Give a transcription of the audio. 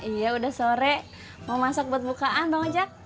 iya udah sore mau masak buat bukaan bang ojak